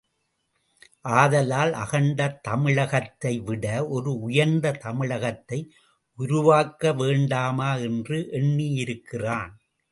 ஆதலால் அகண்ட தமிழகத்தை விட ஒரு உயர்ந்த தமிழகத்தை உருவாக்க வேண்டாமா என்று எண்ணியிருக்கிறான்.